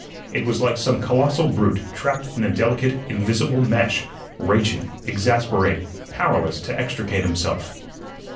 It was like some colossal brute trapped in a delicate, invisible mesh, raging, exasperated, powerless to extricate himself.